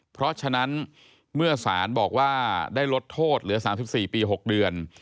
เพราะฉะนั้นเมื่อสารบอกว่าได้ลดโทษเหลือ๓๔ปี๖เดือน